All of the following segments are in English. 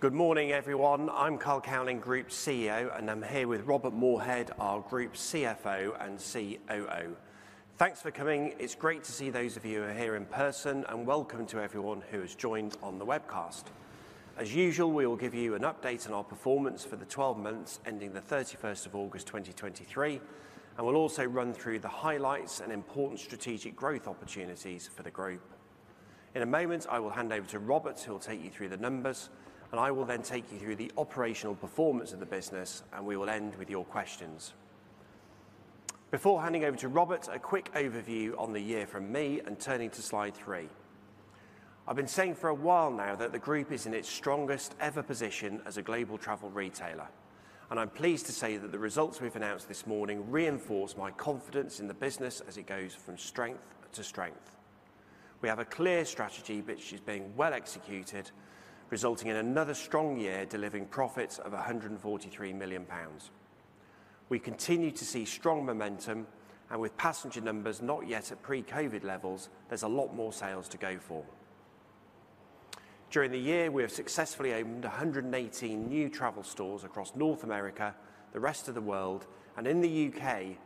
Good morning, everyone. I'm Carl Cowling, Group CEO, and I'm here with Robert Moorhead, our Group CFO and COO. Thanks for coming. It's great to see those of you who are here in person, and welcome to everyone who has joined on the webcast. As usual, we will give you an update on our performance for the 12 months ending the 31st of August, 2023, and we'll also run through the highlights and important strategic growth opportunities for the group. In a moment, I will hand over to Robert, who will take you through the numbers, and I will then take you through the operational performance of the business, and we will end with your questions. Before handing over to Robert, a quick overview on the year from me and turning to slide three. I've been saying for a while now that the group is in its strongest ever position as a global travel retailer, and I'm pleased to say that the results we've announced this morning reinforce my confidence in the business as it goes from strength to strength. We have a clear strategy which is being well executed, resulting in another strong year, delivering profits of 143 million pounds. We continue to see strong momentum, and with passenger numbers not yet at pre-COVID levels, there's a lot more sales to go for. During the year, we have successfully opened 118 new travel stores across North America, the Rest of the World and in the UK,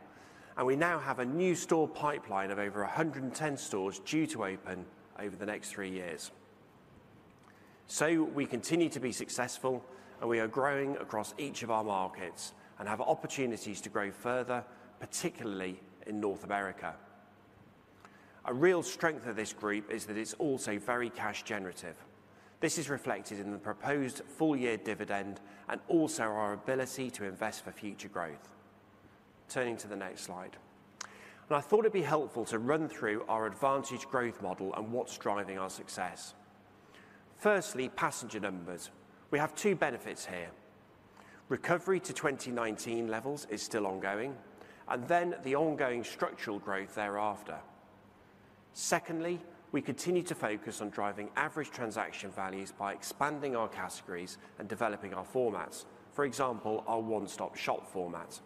and we now have a new store pipeline of over 110 stores due to open over the next three years. So we continue to be successful, and we are growing across each of our markets and have opportunities to grow further, particularly in North America. A real strength of this group is that it's also very cash generative. This is reflected in the proposed full-year dividend and also our ability to invest for future growth. Turning to the next slide. I thought it'd be helpful to run through our Advantage Growth Model and what's driving our success. Firstly, passenger numbers. We have two benefits here. Recovery to 2019 levels is still ongoing, and then the ongoing structural growth thereafter. Secondly, we continue to focus on driving average transaction values by expanding our categories and developing our formats. For example, our one-stop shop format.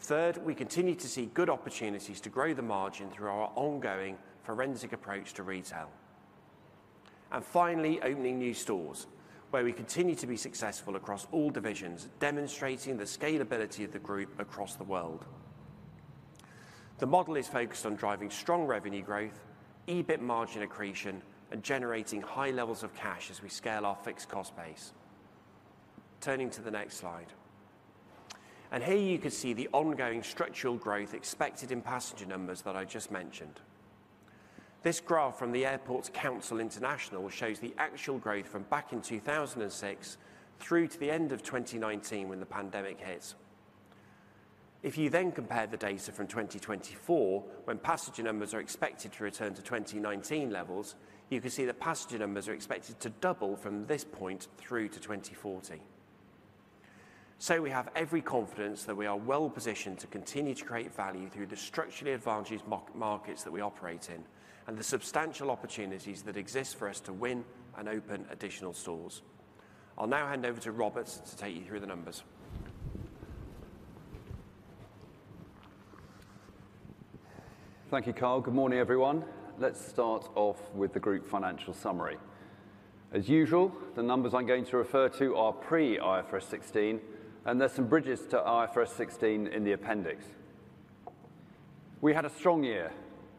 Third, we continue to see good opportunities to grow the margin through our ongoing forensic approach to retail. And finally, opening new stores where we continue to be successful across all divisions, demonstrating the scalability of the group across the world. The model is focused on driving strong revenue growth, EBIT margin accretion, and generating high levels of cash as we scale our fixed cost base. Turning to the next slide. Here you can see the ongoing structural growth expected in passenger numbers that I just mentioned. This graph from the Airports Council International shows the actual growth from back in 2006 through to the end of 2019 when the pandemic hit. If you then compare the data from 2024, when passenger numbers are expected to return to 2019 levels, you can see that passenger numbers are expected to double from this point through to 2040. We have every confidence that we are well positioned to continue to create value through the structurally advantaged markets that we operate in and the substantial opportunities that exist for us to win and open additional stores. I'll now hand over to Robert to take you through the numbers. Thank you, Carl. Good morning, everyone. Let's start off with the group financial summary. As usual, the numbers I'm going to refer to are pre-IFRS 16, and there's some bridges to IFRS 16 in the appendix. We had a strong year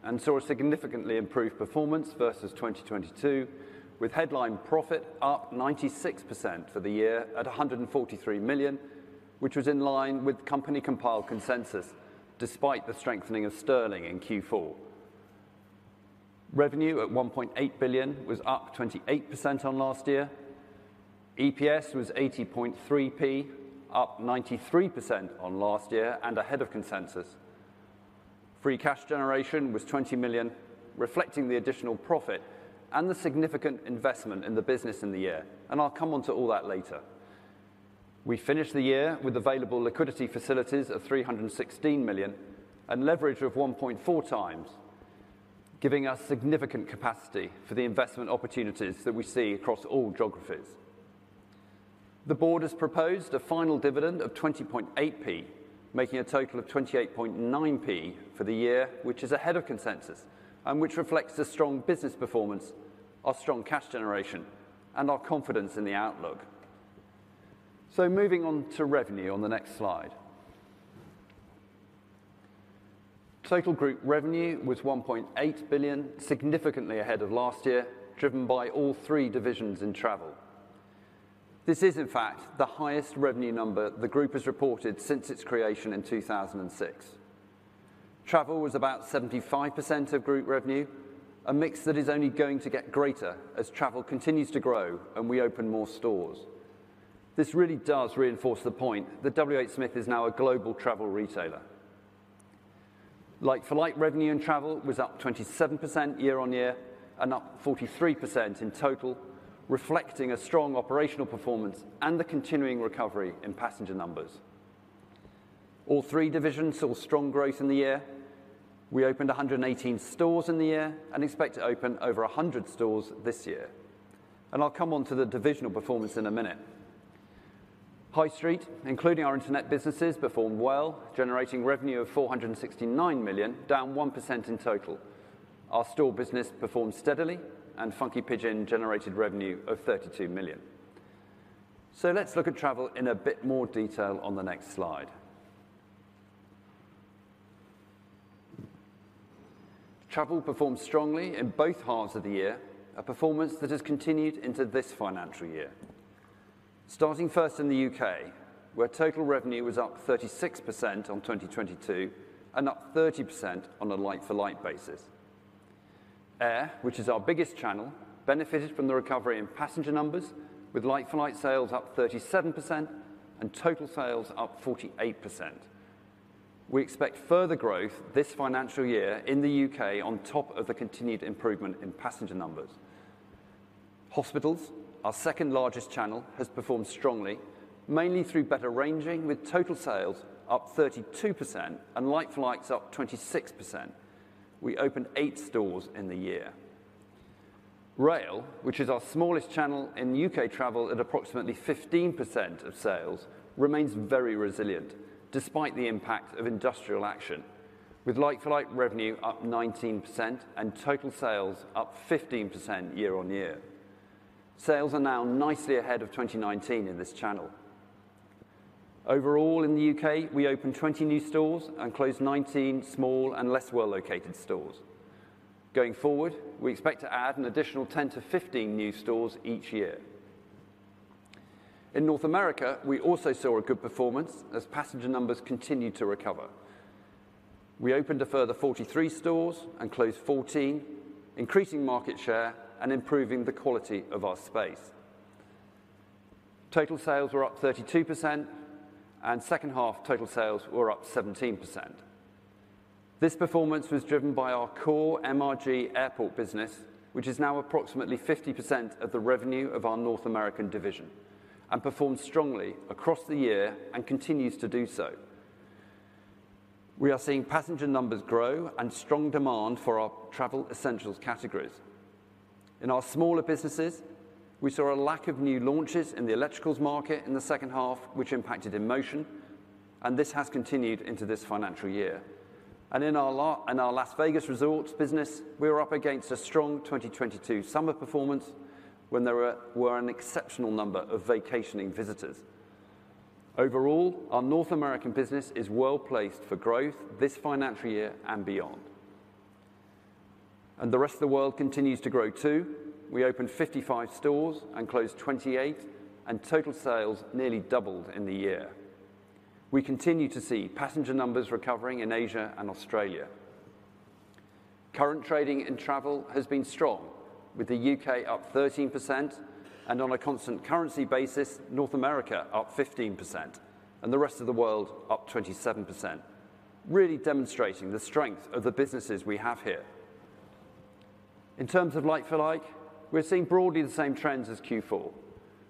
and saw a significantly improved performance versus 2022, with headline profit up 96% for the year at 143 million, which was in line with company-compiled consensus, despite the strengthening of sterling in Q4. Revenue at 1.8 billion was up 28% on last year. EPS was 80.3p, up 93% on last year and ahead of consensus. Free cash generation was 20 million, reflecting the additional profit and the significant investment in the business in the year, and I'll come onto all that later. We finished the year with available liquidity facilities of 316 million and leverage of 1.4 times, giving us significant capacity for the investment opportunities that we see across all geographies. The board has proposed a final dividend of 20.8p, making a total of 28.9p for the year, which is ahead of consensus and which reflects the strong business performance, our strong cash generation, and our confidence in the outlook. Moving on to revenue on the next slide. Total group revenue was 1.8 billion, significantly ahead of last year, driven by all three divisions in travel. This is in fact the highest revenue number the group has reported since its creation in 2006. Travel was about 75% of group revenue, a mix that is only going to get greater as travel continues to grow and we open more stores. This really does reinforce the point that WH Smith is now a global travel retailer. Like-for-like revenue and travel was up 27% year-on-year and up 43% in total, reflecting a strong operational performance and the continuing recovery in passenger numbers. All three divisions saw strong growth in the year. We opened 118 stores in the year and expect to open over 100 stores this year, and I'll come on to the divisional performance in a minute. High Street, including our internet businesses, performed well, generating revenue of 469 million, down 1% in total. Our store business performed steadily, and Funky Pigeon generated revenue of 32 million. So let's look at travel in a bit more detail on the next slide. Travel performed strongly in both halves of the year, a performance that has continued into this financial year. Starting first in the UK, where total revenue was up 36% on 2022, and up 30% on a like-for-like basis. Air, which is our biggest channel, benefited from the recovery in passenger numbers, with like-for-like sales up 37% and total sales up 48%. We expect further growth this financial year in the UK on top of the continued improvement in passenger numbers. Hospitals, our second-largest channel, has performed strongly, mainly through better ranging, with total sales up 32% and like-for-likes up 26%. We opened 8 stores in the year. Rail, which is our smallest channel in UK travel at approximately 15% of sales, remains very resilient despite the impact of industrial action, with like-for-like revenue up 19% and total sales up 15% year-on-year. Sales are now nicely ahead of 2019 in this channel. Overall, in the UK, we opened 20 new stores and closed 19 small and less well-located stores. Going forward, we expect to add an additional 10-15 new stores each year. In North America, we also saw a good performance as passenger numbers continued to recover. We opened a further 43 stores and closed 14, increasing market share and improving the quality of our space. Total sales were up 32%, and second half total sales were up 17%. This performance was driven by our core MRG Airport business, which is now approximately 50% of the revenue of our North American division, and performed strongly across the year and continues to do so. We are seeing passenger numbers grow and strong demand for our travel essentials categories. In our smaller businesses, we saw a lack of new launches in the electricals market in the second half, which impacted InMotion, and this has continued into this financial year. And in our Las Vegas resorts business, we were up against a strong 2022 summer performance when there were an exceptional number of vacationing visitors. Overall, our North American business is well-placed for growth this financial year and beyond. And the Rest of the World continues to grow, too. We opened 55 stores and closed 28, and total sales nearly doubled in the year. We continue to see passenger numbers recovering in Asia and Australia. Current trading in travel has been strong, with the UK up 13%, and on a constant currency basis, North America up 15%, and the Rest of the World up 27%, really demonstrating the strength of the businesses we have here. In terms of like-for-like, we're seeing broadly the same trends as Q4,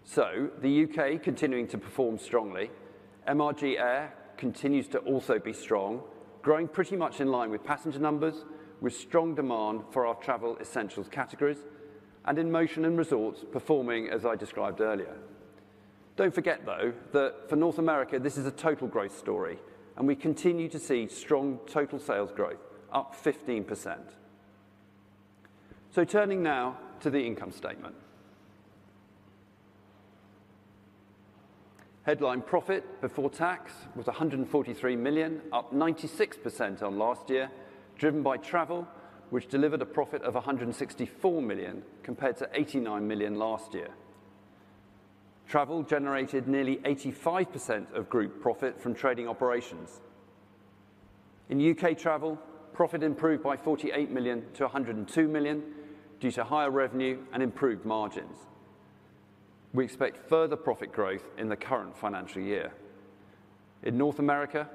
so the UK continuing to perform strongly. MRG Air continues to also be strong, growing pretty much in line with passenger numbers, with strong demand for our travel essentials categories, and InMotion and resorts performing as I described earlier. Don't forget, though, that for North America, this is a total growth story, and we continue to see strong total sales growth, up 15%. Turning now to the income statement. Headline profit before tax was 143 million, up 96% on last year, driven by travel, which delivered a profit of 164 million compared to 89 million last year. Travel generated nearly 85% of group profit from trading operations. In UK travel, profit improved by 48 million to 102 million due to higher revenue and improved margins. We expect further profit growth in the current financial year. In North America,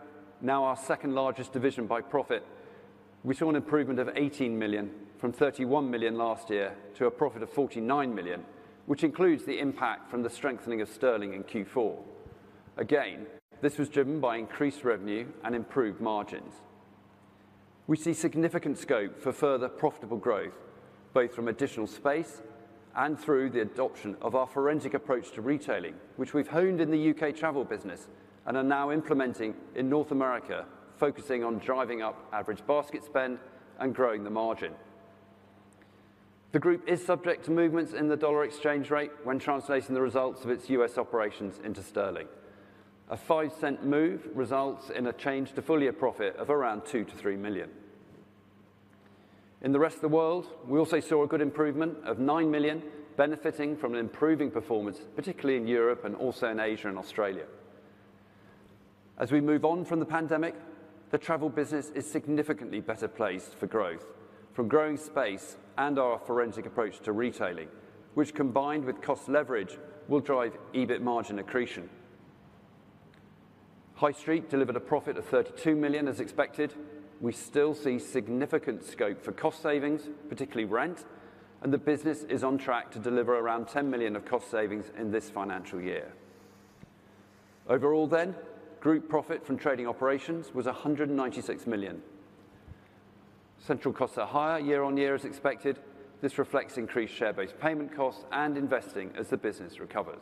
now our second-largest division by profit, we saw an improvement of 18 million from 31 million last year to a profit of 49 million, which includes the impact from the strengthening of sterling in Q4. Again, this was driven by increased revenue and improved margins. We see significant scope for further profitable growth, both from additional space and through the adoption of our forensic approach to retailing, which we've honed in the UK travel business and are now implementing in North America, focusing on driving up average basket spend and growing the margin. The group is subject to movements in the U.S. dollar exchange rate when translating the results of its U.S. operations into sterling. A $0.05 move results in a change to full year profit of around 2 million-3 million. In the Rest of the World, we also saw a good improvement of 9 million, benefiting from an improving performance, particularly in Europe and also in Asia and Australia. As we move on from the pandemic, the travel business is significantly better placed for growth, from growing space and our forensic approach to retailing, which, combined with cost leverage, will drive EBIT margin accretion. High Street delivered a profit of 32 million as expected. We still see significant scope for cost savings, particularly rent, and the business is on track to deliver around 10 million of cost savings in this financial year. Overall then, group profit from trading operations was 196 million. Central costs are higher year-on-year as expected. This reflects increased share-based payment costs and investing as the business recovers.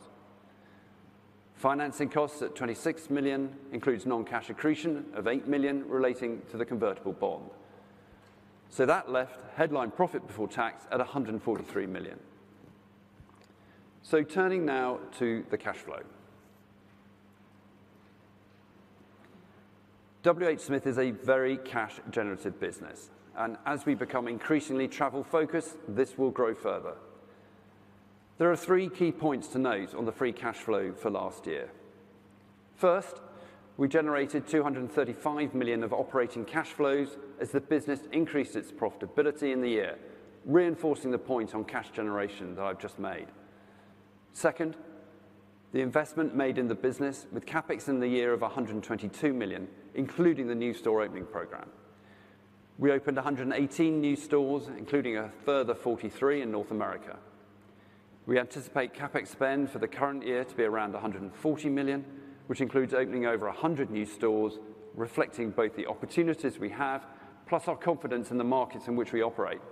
Financing costs at 26 million includes non-cash accretion of 8 million relating to the convertible bond. So that left headline profit before tax at 143 million. So turning now to the cash flow. WH Smith is a very cash generative business, and as we become increasingly travel-focused, this will grow further. There are three key points to note on the free cash flow for last year. First, we generated 235 million of operating cash flows as the business increased its profitability in the year, reinforcing the point on cash generation that I've just made. Second, the investment made in the business, with CapEx in the year of 122 million, including the new store opening program. We opened 118 new stores, including a further 43 in North America. We anticipate CapEx spend for the current year to be around 140 million, which includes opening over 100 new stores, reflecting both the opportunities we have, plus our confidence in the markets in which we operate.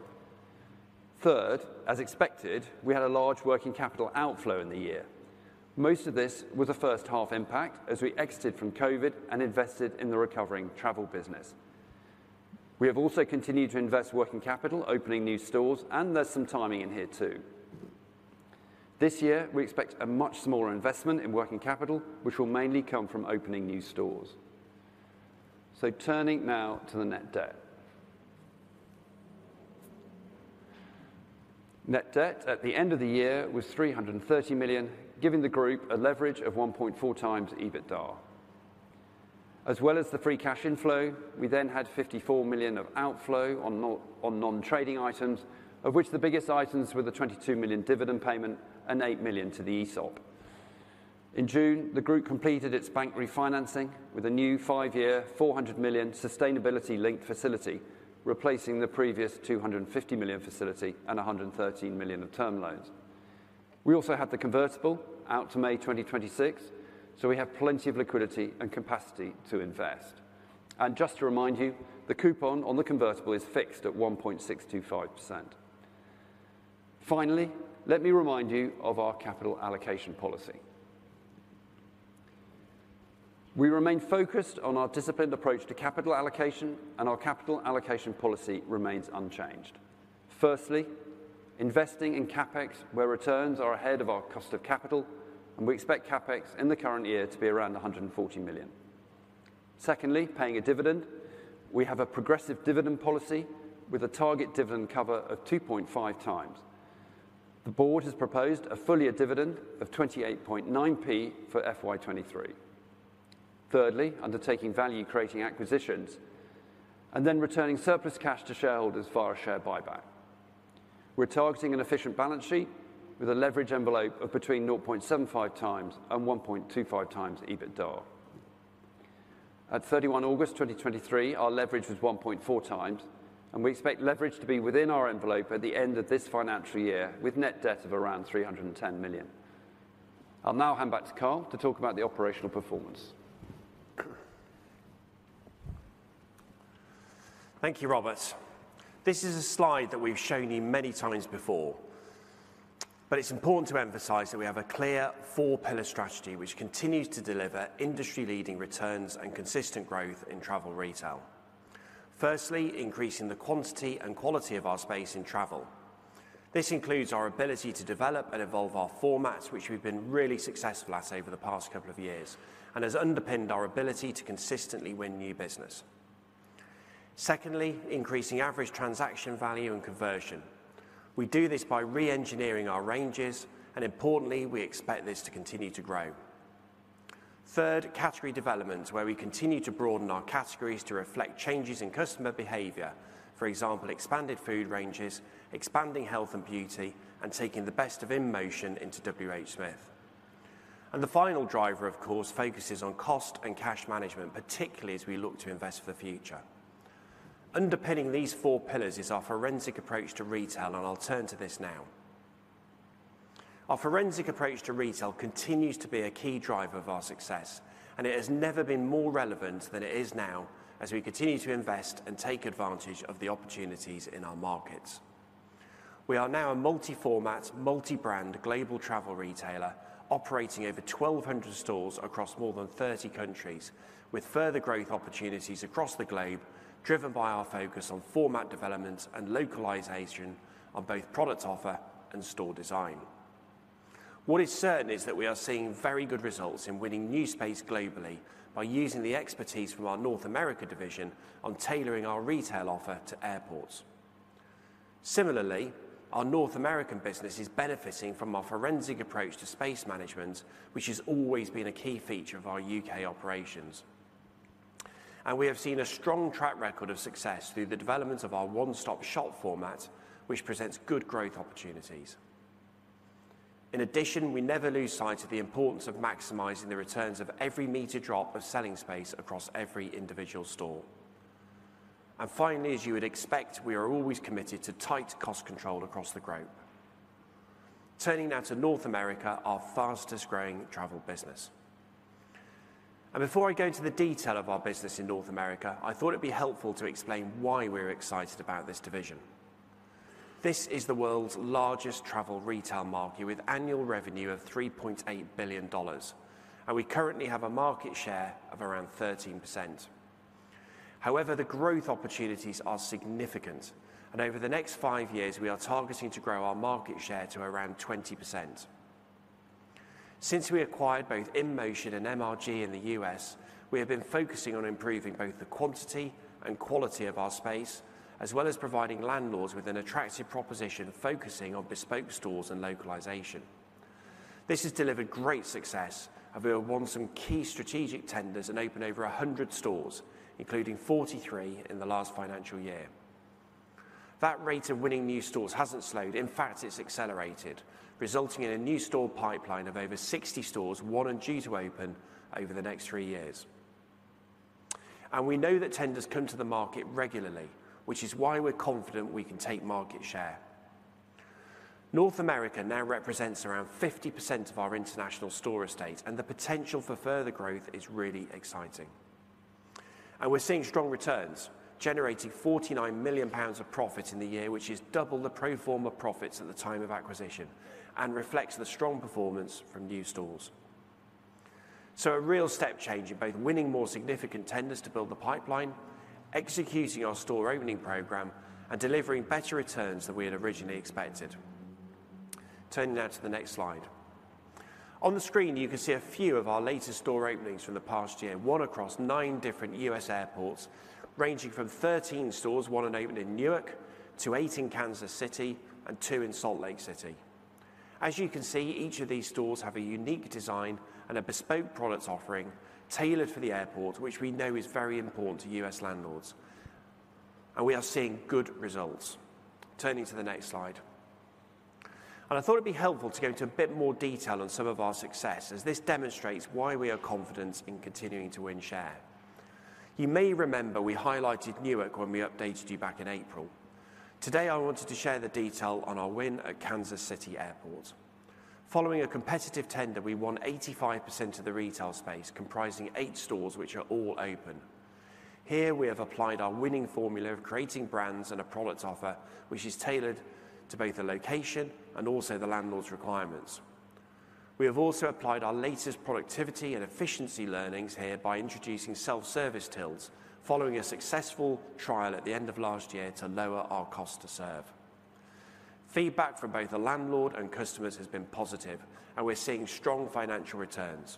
Third, as expected, we had a large working capital outflow in the year. Most of this was a first half impact as we exited from COVID and invested in the recovering travel business. We have also continued to invest working capital, opening new stores, and there's some timing in here, too. This year, we expect a much smaller investment in working capital, which will mainly come from opening new stores. So turning now to the net debt. Net debt at the end of the year was 300 million, giving the group a leverage of 1.4 times EBITDA. As well as the free cash inflow, we then had 54 million of outflow on non-trading items, of which the biggest items were the 22 million dividend payment and 8 million to the ESOP. In June, the group completed its bank refinancing with a new 5-year, 400 million sustainability-linked facility, replacing the previous 250 million facility and 113 million of term loans. We also have the convertible out to May 2026, so we have plenty of liquidity and capacity to invest. Just to remind you, the coupon on the convertible is fixed at 1.625%. Finally, let me remind you of our capital allocation policy. We remain focused on our disciplined approach to capital allocation, and our capital allocation policy remains unchanged. Firstly, investing in CapEx, where returns are ahead of our cost of capital, and we expect CapEx in the current year to be around 140 million. Secondly, paying a dividend. We have a progressive dividend policy with a target dividend cover of 2.5 times. The board has proposed a full year dividend of 28.9p for FY 2023. Thirdly, undertaking value-creating acquisitions and then returning surplus cash to shareholders via a share buyback. We're targeting an efficient balance sheet with a leverage envelope of between 0.75 times and 1.25 times EBITDA. At 31 August 2023, our leverage was 1.4 times, and we expect leverage to be within our envelope at the end of this financial year, with net debt of around 310 million. I'll now hand back to Carl to talk about the operational performance. Thank you, Robert. This is a slide that we've shown you many times before, but it's important to emphasize that we have a clear four-pillar strategy which continues to deliver industry-leading returns and consistent growth in travel retail. Firstly, increasing the quantity and quality of our space in travel. This includes our ability to develop and evolve our formats, which we've been really successful at over the past couple of years and has underpinned our ability to consistently win new business. Secondly, increasing average transaction value and conversion. We do this by re-engineering our ranges, and importantly, we expect this to continue to grow. Third, category development, where we continue to broaden our categories to reflect changes in customer behavior. For example, expanded food ranges, expanding health and beauty, and taking the best of InMotion into WH Smith. The final driver, of course, focuses on cost and cash management, particularly as we look to invest for the future. Underpinning these four pillars is our forensic approach to retail, and I'll turn to this now. Our forensic approach to retail continues to be a key driver of our success, and it has never been more relevant than it is now, as we continue to invest and take advantage of the opportunities in our markets. We are now a multi-format, multi-brand, global travel retailer, operating over 1,200 stores across more than 30 countries, with further growth opportunities across the globe, driven by our focus on format development and localization on both product offer and store design. What is certain is that we are seeing very good results in winning new space globally by using the expertise from our North America division on tailoring our retail offer to airports. Similarly, our North American business is benefiting from our forensic approach to space management, which has always been a key feature of our UK operations. And we have seen a strong track record of success through the development of our one-stop-shop format, which presents good growth opportunities. In addition, we never lose sight of the importance of maximizing the returns of every meter drop of selling space across every individual store. And finally, as you would expect, we are always committed to tight cost control across the group. Turning now to North America, our fastest-growing travel business. And before I go into the detail of our business in North America, I thought it'd be helpful to explain why we're excited about this division. This is the world's largest travel retail market, with annual revenue of $3.8 billion, and we currently have a market share of around 13%. However, the growth opportunities are significant, and over the next 5 years, we are targeting to grow our market share to around 20%. Since we acquired both InMotion and MRG in the U.S., we have been focusing on improving both the quantity and quality of our space, as well as providing landlords with an attractive proposition, focusing on bespoke stores and localization. This has delivered great success, and we have won some key strategic tenders and opened over 100 stores, including 43 in the last financial year. That rate of winning new stores hasn't slowed. In fact, it's accelerated, resulting in a new store pipeline of over 60 stores, 120 to open over the next 3 years. We know that tenders come to the market regularly, which is why we're confident we can take market share. North America now represents around 50% of our international store estate, and the potential for further growth is really exciting. We're seeing strong returns, generating 49 million pounds of profit in the year, which is double the pro forma profits at the time of acquisition and reflects the strong performance from new stores. A real step change in both winning more significant tenders to build the pipeline, executing our store opening program, and delivering better returns than we had originally expected. Turning now to the next slide. On the screen, you can see a few of our latest store openings from the past year, one across 9 different U.S. airports, ranging from 13 stores, 1 and opened in Newark to 8 in Kansas City and 2 in Salt Lake City. As you can see, each of these stores have a unique design and a bespoke products offering tailored for the airport, which we know is very important to U.S. landlords, and we are seeing good results. Turning to the next slide. I thought it'd be helpful to go into a bit more detail on some of our success as this demonstrates why we are confident in continuing to win share. You may remember we highlighted Newark when we updated you back in April. Today, I wanted to share the detail on our win at Kansas City Airport. Following a competitive tender, we won 85% of the retail space, comprising 8 stores, which are all open. Here we have applied our winning formula of creating brands and a product offer, which is tailored to both the location and also the landlord's requirements. We have also applied our latest productivity and efficiency learnings here by introducing self-service tills following a successful trial at the end of last year to lower our cost to serve. Feedback from both the landlord and customers has been positive, and we're seeing strong financial returns.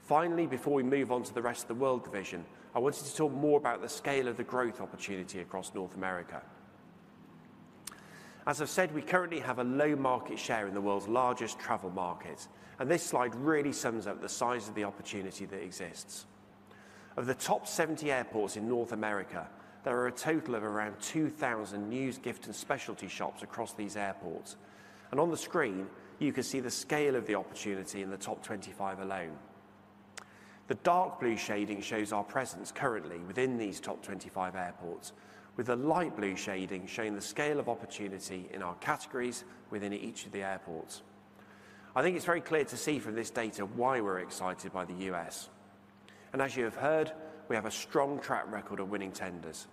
Finally, before we move on to the Rest of the World division, I wanted to talk more about the scale of the growth opportunity across North America. As I've said, we currently have a low market share in the world's largest travel market, and this slide really sums up the size of the opportunity that exists. Of the top 70 airports in North America, there are a total of around 2,000 news, gift, and specialty shops across these airports. On the screen, you can see the scale of the opportunity in the top 25 alone. The dark blue shading shows our presence currently within these top 25 airports, with the light blue shading showing the scale of opportunity in our categories within each of the airports. I think it's very clear to see from this data why we're excited by the U.S., and as you have heard, we have a strong track record of winning tenders.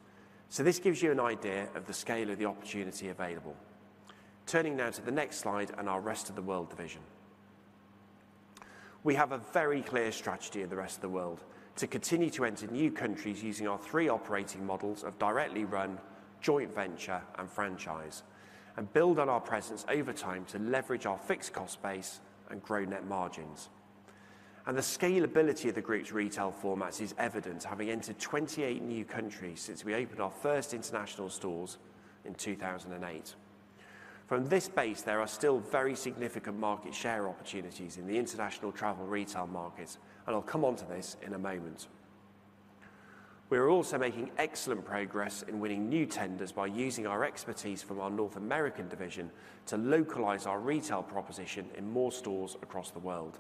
This gives you an idea of the scale of the opportunity available. Turning now to the next slide and our Rest of the World division. We have a very clear strategy in the Rest of the World: to continue to enter new countries using our three operating models of directly run, joint venture, and franchise, and build on our presence over time to leverage our fixed cost base and grow net margins. The scalability of the group's retail formats is evident, having entered 28 new countries since we opened our first international stores in 2008. From this base, there are still very significant market share opportunities in the international travel retail market, and I'll come onto this in a moment. We are also making excellent progress in winning new tenders by using our expertise from our North American division to localize our retail proposition in more stores across the world.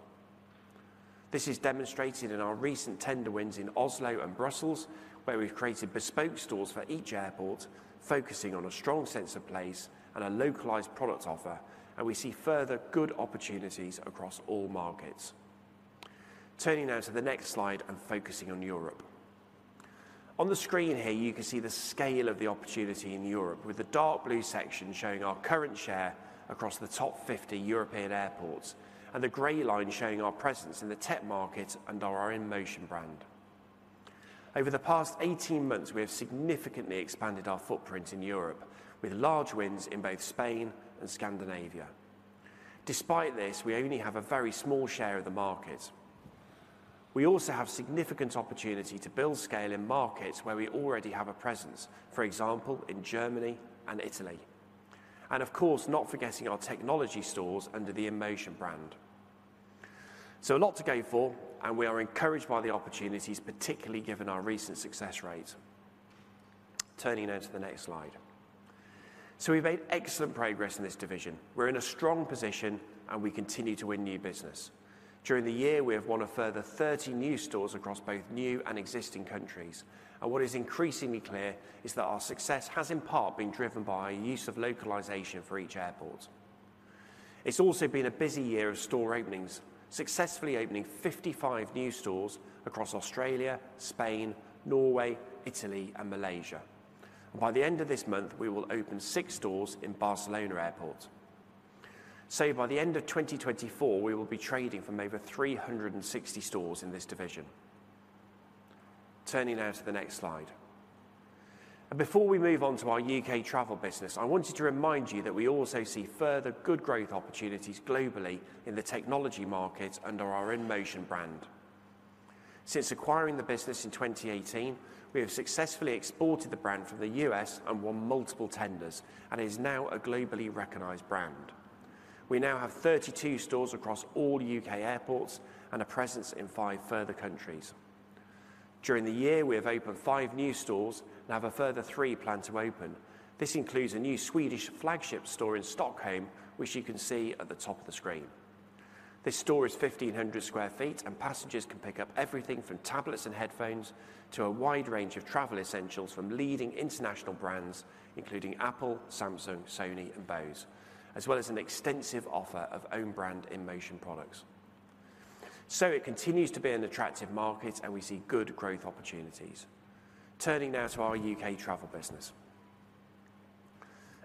This is demonstrated in our recent tender wins in Oslo and Brussels, where we've created bespoke stores for each airport, focusing on a strong sense of place and a localized product offer, and we see further good opportunities across all markets. Turning now to the next slide and focusing on Europe. On the screen here, you can see the scale of the opportunity in Europe, with the dark blue section showing our current share across the top 50 European airports and the gray line showing our presence in the tech market under our InMotion brand. Over the past 18 months, we have significantly expanded our footprint in Europe, with large wins in both Spain and Scandinavia. Despite this, we only have a very small share of the market. We also have significant opportunity to build scale in markets where we already have a presence, for example, in Germany and Italy, and of course, not forgetting our technology stores under the InMotion brand. So a lot to go for, and we are encouraged by the opportunities, particularly given our recent success rate. Turning now to the next slide. So we've made excellent progress in this division. We're in a strong position, and we continue to win new business. During the year, we have won a further 30 new stores across both new and existing countries, and what is increasingly clear is that our success has, in part, been driven by our use of localization for each airport. It's also been a busy year of store openings, successfully opening 55 new stores across Australia, Spain, Norway, Italy, and Malaysia. By the end of this month, we will open six stores in Barcelona Airport. So by the end of 2024, we will be trading from over 360 stores in this division. Turning now to the next slide. Before we move on to our UK travel business, I wanted to remind you that we also see further good growth opportunities globally in the technology market under our InMotion brand. Since acquiring the business in 2018, we have successfully exported the brand from the U.S. and won multiple tenders, and is now a globally recognized brand. We now have 32 stores across all UK airports and a presence in five further countries. During the year, we have opened five new stores and have a further three planned to open. This includes a new Swedish flagship store in Stockholm, which you can see at the top of the screen. This store is 1,500 sq ft, and passengers can pick up everything from tablets and headphones to a wide range of travel essentials from leading international brands, including Apple, Samsung, Sony, and Bose, as well as an extensive offer of own brand InMotion products. So it continues to be an attractive market, and we see good growth opportunities. Turning now to our UK travel business.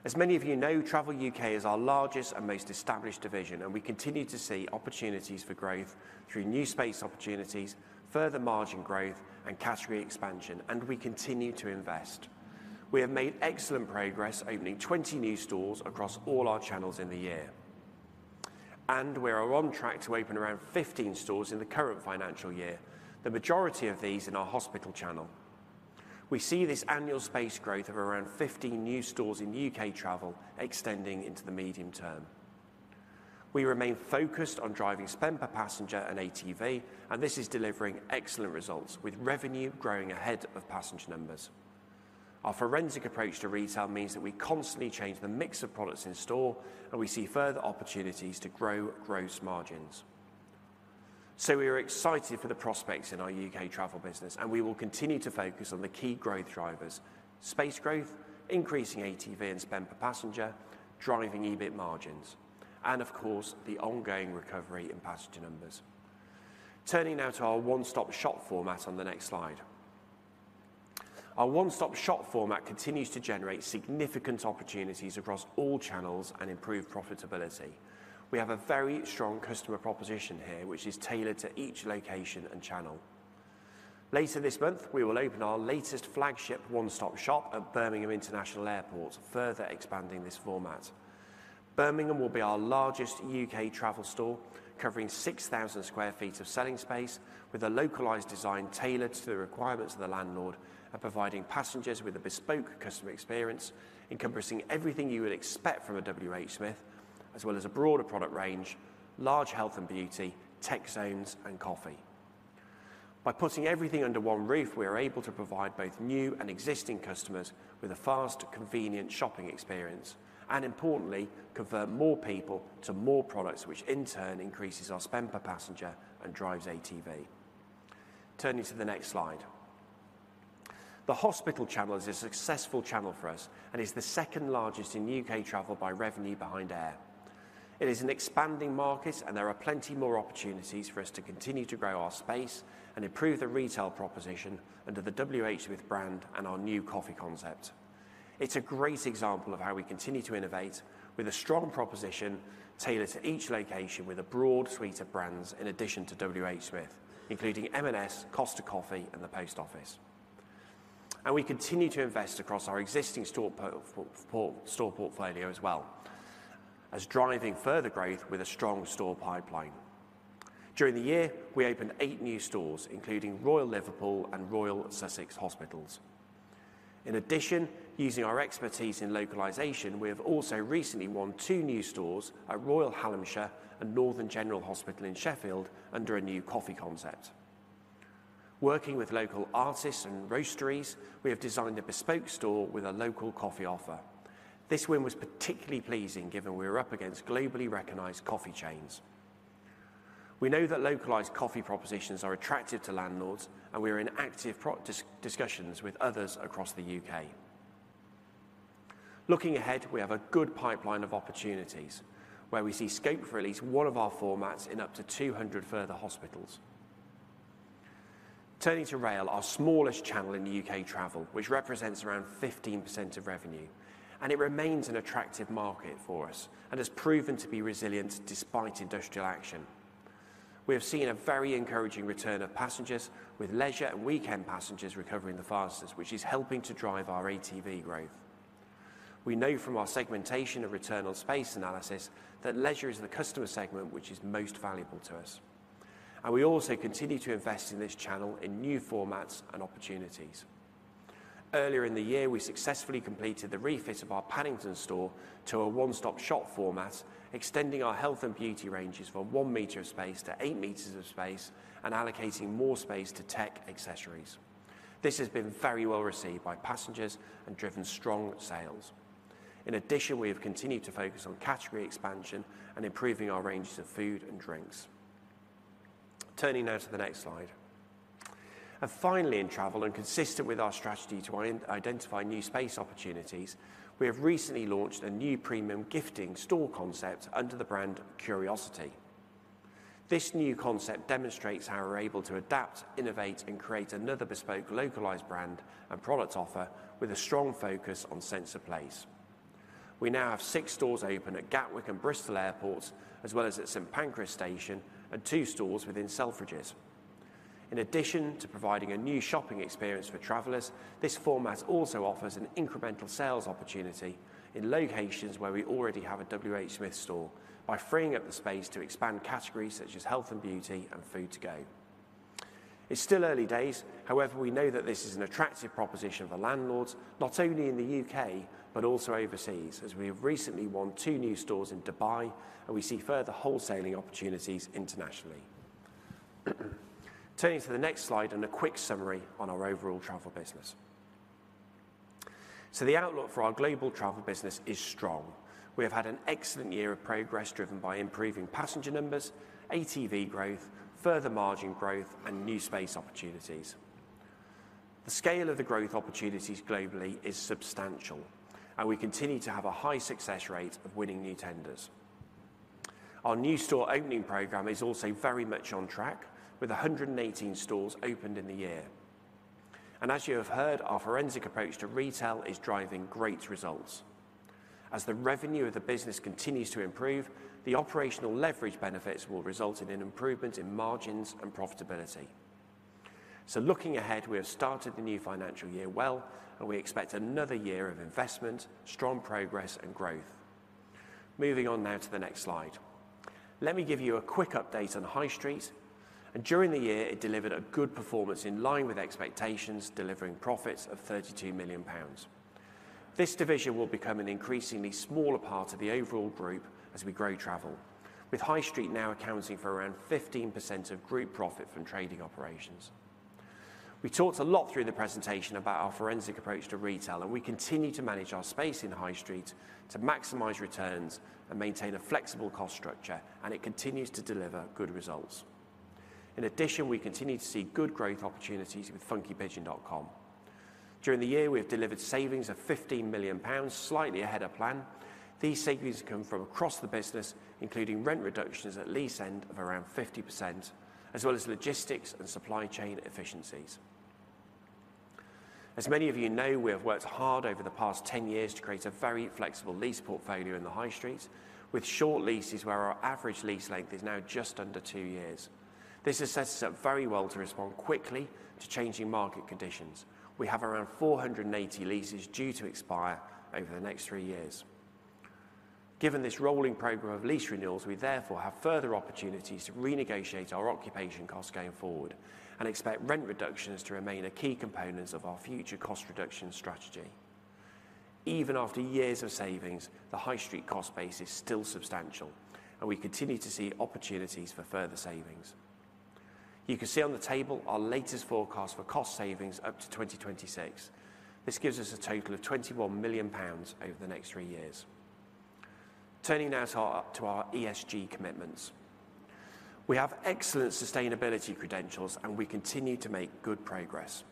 As many of you know, Travel UK is our largest and most established division, and we continue to see opportunities for growth through new space opportunities, further margin growth, and category expansion, and we continue to invest. We have made excellent progress opening 20 new stores across all our channels in the year, and we are on track to open around 15 stores in the current financial year, the majority of these in our hospital channel. We see this annual space growth of around 15 new stores in UK travel extending into the medium term. We remain focused on driving spend per passenger and ATV, and this is delivering excellent results with revenue growing ahead of passenger numbers. Our forensic approach to retail means that we constantly change the mix of products in store, and we see further opportunities to grow gross margins. So we are excited for the prospects in our UK travel business, and we will continue to focus on the key growth drivers: space growth, increasing ATV and spend per passenger, driving EBIT margins, and of course, the ongoing recovery in passenger numbers. Turning now to our one-stop shop format on the next slide. Our one-stop shop format continues to generate significant opportunities across all channels and improve profitability. We have a very strong customer proposition here, which is tailored to each location and channel. Later this month, we will open our latest flagship one-stop shop at Birmingham International Airport, further expanding this format. Birmingham will be our largest UK travel store, covering 6,000 sq ft of selling space with a localized design tailored to the requirements of the landlord and providing passengers with a bespoke customer experience, encompassing everything you would expect from a WH Smith, as well as a broader product range, large health and beauty, tech zones, and coffee. By putting everything under one roof, we are able to provide both new and existing customers with a fast, convenient shopping experience, and importantly, convert more people to more products, which in turn increases our spend per passenger and drives ATV. Turning to the next slide. The hospital channel is a successful channel for us and is the second largest in UK travel by revenue behind air. It is an expanding market, and there are plenty more opportunities for us to continue to grow our space and improve the retail proposition under the WH Smith brand and our new coffee concept. It's a great example of how we continue to innovate with a strong proposition tailored to each location with a broad suite of brands in addition to WH Smith, including M&S, Costa Coffee, and the Post Office. We continue to invest across our existing store por... store portfolio as well as driving further growth with a strong store pipeline. During the year, we opened eight new stores, including Royal Liverpool Hospital and Royal Sussex Hospital. In addition, using our expertise in localization, we have also recently won two new stores at Royal Hallamshire Hospital and Northern General Hospital in Sheffield under a new coffee concept. Working with local artists and roasteries, we have designed a bespoke store with a local coffee offer. This win was particularly pleasing, given we were up against globally recognized coffee chains. We know that localized coffee propositions are attractive to landlords, and we are in active discussions with others across the UK. Looking ahead, we have a good pipeline of opportunities, where we see scope for at least one of our formats in up to 200 further hospitals. Turning to rail, our smallest channel in the UK travel, which represents around 15% of revenue, and it remains an attractive market for us and has proven to be resilient despite industrial action. We have seen a very encouraging return of passengers, with leisure and weekend passengers recovering the fastest, which is helping to drive our ATV growth. We know from our segmentation of return on space analysis that leisure is the customer segment which is most valuable to us, and we also continue to invest in this channel in new formats and opportunities. Earlier in the year, we successfully completed the refit of our Paddington store to a one-stop shop format, extending our health and beauty ranges from 1 meter of space to 8 meters of space and allocating more space to tech accessories. This has been very well received by passengers and driven strong sales. In addition, we have continued to focus on category expansion and improving our ranges of food and drinks. Turning now to the next slide. Finally, in travel, and consistent with our strategy to identify new space opportunities, we have recently launched a new premium gifting store concept under the brand Curi.o.city. This new concept demonstrates how we're able to adapt, innovate, and create another bespoke localized brand and product offer with a strong focus on sense of place. We now have six stores open at Gatwick Airport and Bristol Airport, as well as at St. Pancras Station and two stores within Selfridges. In addition to providing a new shopping experience for travelers, this format also offers an incremental sales opportunity in locations where we already have a WH Smith store, by freeing up the space to expand categories such as health and beauty and food to go. It's still early days, however, we know that this is an attractive proposition for landlords, not only in the UK, but also overseas, as we have recently won 2 new stores in Dubai, and we see further wholesaling opportunities internationally. Turning to the next slide and a quick summary on our overall travel business. So the outlook for our global travel business is strong. We have had an excellent year of progress, driven by improving passenger numbers, ATV growth, further margin growth, and new space opportunities. The scale of the growth opportunities globally is substantial, and we continue to have a high success rate of winning new tenders. Our new store opening program is also very much on track, with 118 stores opened in the year. And as you have heard, our forensic approach to retail is driving great results. As the revenue of the business continues to improve, the operational leverage benefits will result in an improvement in margins and profitability. So looking ahead, we have started the new financial year well, and we expect another year of investment, strong progress, and growth. Moving on now to the next slide. Let me give you a quick update on High Street, and during the year, it delivered a good performance in line with expectations, delivering profits of 32 million pounds. This division will become an increasingly smaller part of the overall group as we grow travel, with High Street now accounting for around 15% of group profit from trading operations. We talked a lot through the presentation about our forensic approach to retail, and we continue to manage our space in High Street to maximize returns and maintain a flexible cost structure, and it continues to deliver good results. In addition, we continue to see good growth opportunities with Funky Pigeon.com. During the year, we have delivered savings of 15 million pounds, slightly ahead of plan. These savings come from across the business, including rent reductions at lease end of around 50%, as well as logistics and supply chain efficiencies. As many of you know, we have worked hard over the past 10 years to create a very flexible lease portfolio in the High Street, with short leases where our average lease length is now just under 2 years. This has set us up very well to respond quickly to changing market conditions. We have around 480 leases due to expire over the next 3 years. Given this rolling program of lease renewals, we therefore have further opportunities to renegotiate our occupation costs going forward and expect rent reductions to remain a key component of our future cost reduction strategy. Even after years of savings, the High Street cost base is still substantial, and we continue to see opportunities for further savings. You can see on the table our latest forecast for cost savings up to 2026. This gives us a total of 21 million pounds over the next 3 years. Turning now to our ESG commitments. We have excellent sustainability credentials, and we continue to make good progress.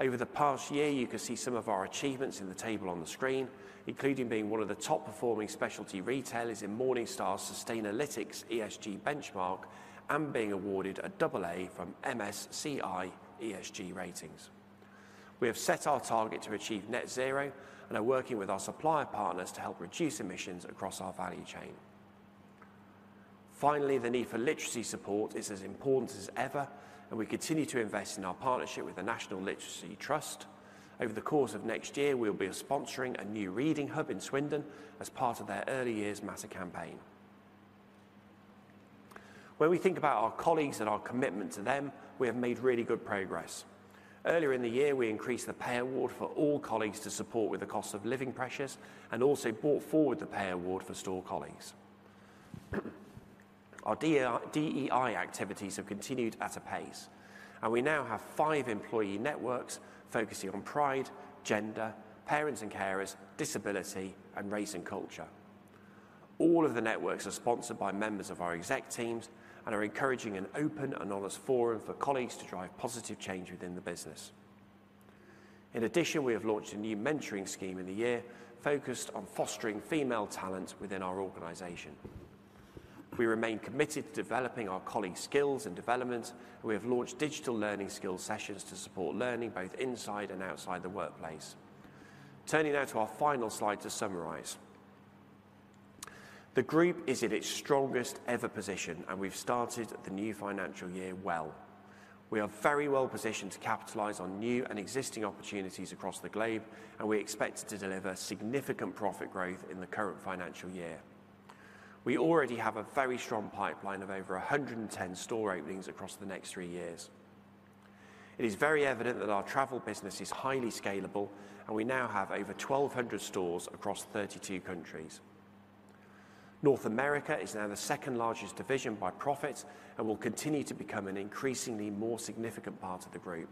Over the past year, you can see some of our achievements in the table on the screen, including being one of the top performing specialty retailers in Morningstar Sustainalytics ESG Benchmark and being awarded a double A from MSCI ESG Ratings. We have set our target to achieve net zero and are working with our supplier partners to help reduce emissions across our value chain. Finally, the need for literacy support is as important as ever, and we continue to invest in our partnership with the National Literacy Trust. Over the course of next year, we'll be sponsoring a new reading hub in Swindon as part of their Early Years Mass campaign. When we think about our colleagues and our commitment to them, we have made really good progress. Earlier in the year, we increased the pay award for all colleagues to support with the cost-of-living pressures and also brought forward the pay award for store colleagues. Our DEI activities have continued at a pace, and we now have five employee networks focusing on pride, gender, parents and carers, disability, and race and culture. All of the networks are sponsored by members of our exec teams and are encouraging an open and honest forum for colleagues to drive positive change within the business. In addition, we have launched a new mentoring scheme in the year focused on fostering female talent within our organization. We remain committed to developing our colleagues' skills and development. We have launched digital learning skill sessions to support learning, both inside and outside the workplace. Turning now to our final slide to summarize. The group is in its strongest ever position, and we've started the new financial year well. We are very well positioned to capitalize on new and existing opportunities across the globe, and we expect to deliver significant profit growth in the current financial year. We already have a very strong pipeline of over 110 store openings across the next three years. It is very evident that our travel business is highly scalable, and we now have over 1,200 stores across 32 countries. North America is now the second largest division by profit and will continue to become an increasingly more significant part of the group.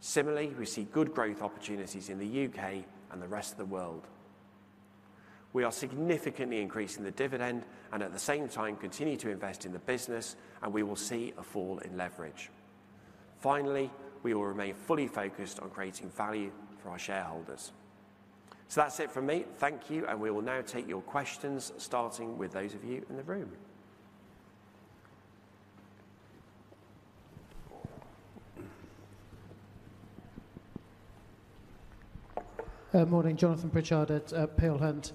Similarly, we see good growth opportunities in the UK and the Rest of the World. We are significantly increasing the dividend, and at the same time continue to invest in the business, and we will see a fall in leverage. Finally, we will remain fully focused on creating value for our shareholders. So that's it from me. Thank you, and we will now take your questions, starting with those of you in the room. Good Morning, Jonathan Pritchard at Peel Hunt.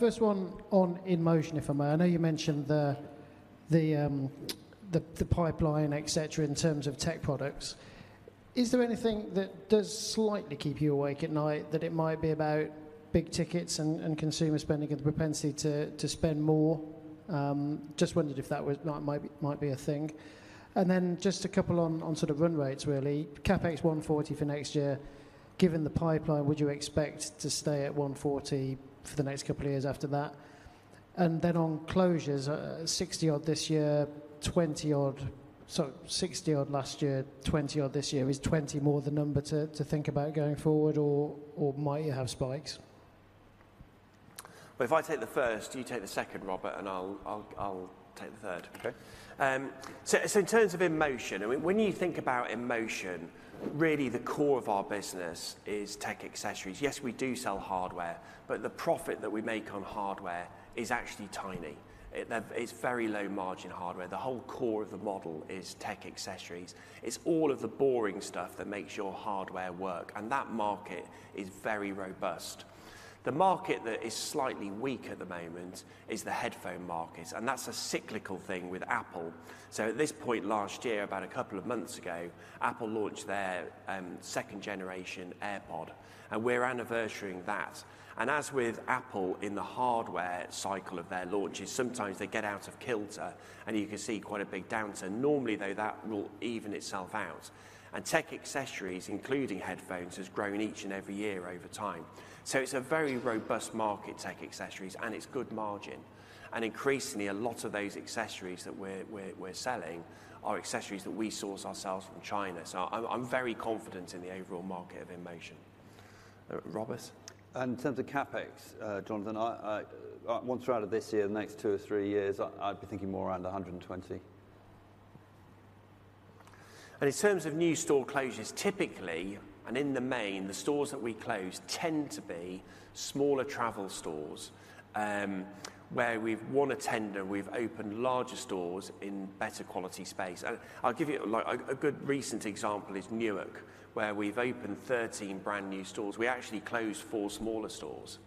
First one on InMotion, if I may. I know you mentioned the pipeline, et cetera, in terms of tech products. Is there anything that does slightly keep you awake at night, that it might be about big tickets and consumer spending and the propensity to spend more? Just wondered if that was, might be a thing. And then just a couple on sort of run rates, really. CapEx 140 million for next year. Given the pipeline, would you expect to stay at 140 million for the next couple of years after that? And then on closures, 60-odd this year, 20-odd, so 60-odd last year, 20-odd this year. Is 20 more the number to think about going forward, or might you have spikes? Well, if I take the first, you take the second, Robert, and I'll take the third. Okay. So, in terms of InMotion, I mean, when you think about InMotion, really the core of our business is tech accessories. Yes, we do sell hardware, but the profit that we make on hardware is actually tiny. It's very low margin hardware. The whole core of the model is tech accessories. It's all of the boring stuff that makes your hardware work, and that market is very robust. The market that is slightly weak at the moment is the headphone market, and that's a cyclical thing with Apple. So at this point last year, about a couple of months ago, Apple launched their second generation AirPods, and we're anniversarying that. And as with Apple, in the hardware cycle of their launches, sometimes they get out of kilter, and you can see quite a big downturn. Normally, though, that will even itself out. Tech accessories, including headphones, has grown each and every year over time. So it's a very robust market, tech accessories, and it's good margin. And increasingly, a lot of those accessories that we're selling are accessories that we source ourselves from China. So I'm very confident in the overall market of InMotion. Robert? In terms of CapEx, Jonathan, once we're out of this year, the next two or three years, I'd be thinking more around 120. In terms of new store closures, typically, and in the main, the stores that we close tend to be smaller travel stores, where we've won a tender, we've opened larger stores in better quality space. I'll give you, like, a good recent example is Newark, where we've opened 13 brand-new stores. We actually closed four smaller stores.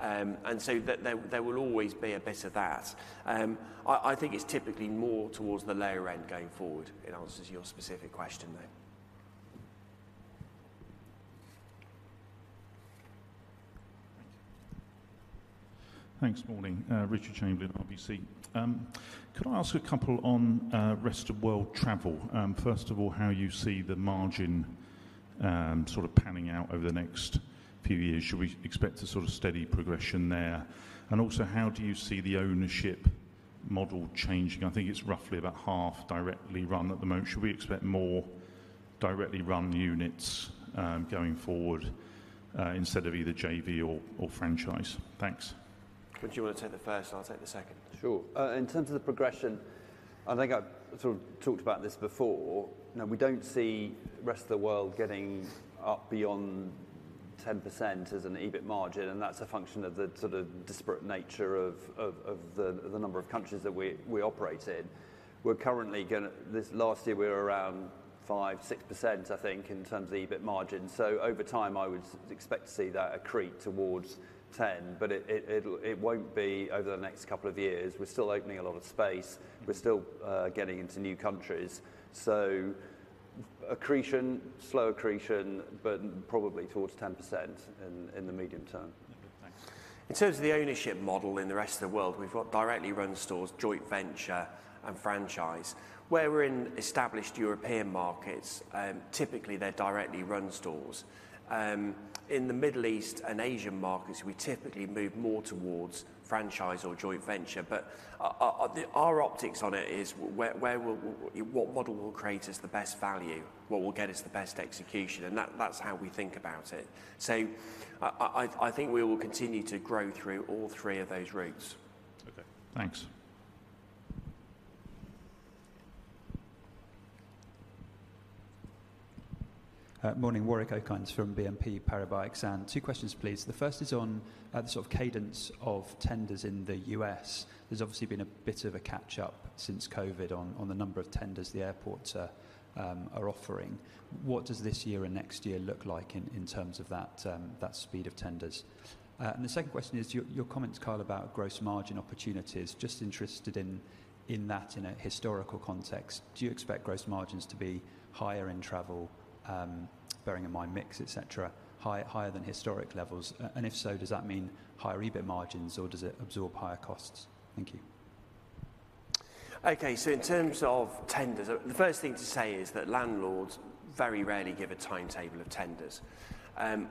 And so there will always be a bit of that. I think it's typically more towards the lower end going forward, in answer to your specific question there. Thanks. Morning. Richard Chamberlain, RBC. Could I ask a couple on Rest of the World travel? First of all, how do you see the margin sort of panning out over the next few years? Should we expect a sort of steady progression there? And also, how do you see the ownership model changing? I think it's roughly about half directly run at the moment. Should we expect more directly run units going forward instead of either JV or franchise? Thanks. Would you want to take the first? I'll take the second. Sure. In terms of the progression, I think I've sort of talked about this before. Now, we don't see Rest of the World getting up beyond 10% as an EBIT margin, and that's a function of the sort of disparate nature of the number of countries that we operate in. We're currently. This last year, we were around 5-6%, I think, in terms of EBIT margin. So over time, I would expect to see that accrete towards 10%, but it won't be over the next couple of years. We're still opening a lot of space. We're still getting into new countries. So accretion, slow accretion, but probably towards 10% in the medium term. Thanks. In terms of the ownership model in the Rest of the World, we've got directly run stores, joint venture, and franchise. Where we're in established European markets, typically, they're directly run stores. In the Middle East and Asian markets, we typically move more towards franchise or joint venture, but our optics on it is where what model will create us the best value, what will get us the best execution? And that, that's how we think about it. So I think we will continue to grow through all three of those routes. Okay. Thanks. Morning, Warwick Okines from BNP Paribas, and two questions, please. The first is on the sort of cadence of tenders in the U.S. There's obviously been a bit of a catch-up since COVID on the number of tenders the airports are offering. What does this year and next year look like in terms of that speed of tenders? And the second question is your comments, Carl, about gross margin opportunities. Just interested in that in a historical context. Do you expect gross margins to be higher in travel bearing in mind mix, et cetera, higher than historic levels? And if so, does that mean higher EBIT margins, or does it absorb higher costs? Thank you. Okay, so in terms of tenders, the first thing to say is that landlords very rarely give a timetable of tenders.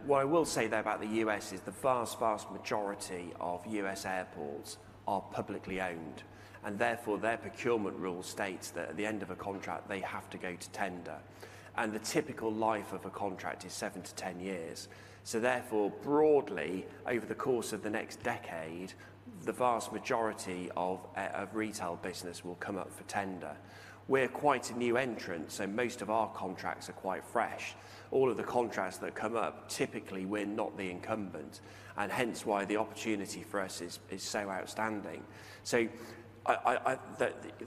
What I will say, though, about the U.S. is the vast, vast majority of U.S. airports are publicly owned, and therefore, their procurement rule states that at the end of a contract, they have to go to tender. And the typical life of a contract is 7-10 years. So therefore, broadly, over the course of the next decade, the vast majority of retail business will come up for tender. We're quite a new entrant, so most of our contracts are quite fresh. All of the contracts that come up, typically we're not the incumbent, and hence why the opportunity for us is so outstanding. So